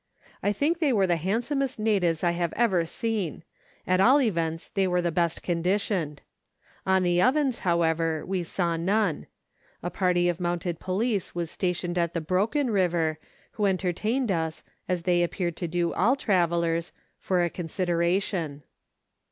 I think they were the handsomest natives I have ever seen ; at all events they were the best conditioned. On the Ovens, however, we saw none. A party of mounted police was stationed at the Broken River, who entertained us, as they appeared to do all travellers, for a consideration.